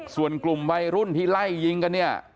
ส่วนกลุ่มวัยรุ่นที่ไล่ยิงกันเนี่ย